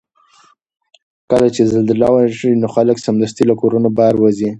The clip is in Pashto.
کله چې زلزله وشي نو خلک سمدستي له کورونو بهر وځي.